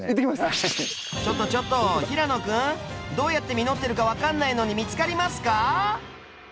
ちょっとちょっと平野君どうやって実ってるか分かんないのに見つかりますか？